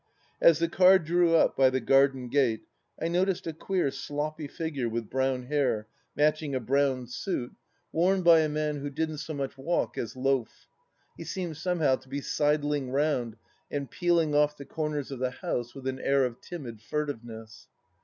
As the car drew up by the garden gate, I noticed a queer sloppy figure with brown hair, matching a brown suit, worn THE LAST DITCH 205 by a man who didn't so much walk as loaf— he seemed somehow to be sidling roiuid and peeling off the comers of the house, with an air of timid furtiveness.